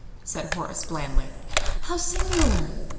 said Horace, blandly. "How singular!"